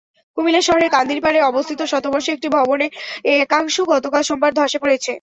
কুমিল্লা শহরের কান্দিরপাড়ে অবস্থিত শতবর্ষী একটি ভবনের একাংশ গতকাল সোমবার ধসে পড়েছে।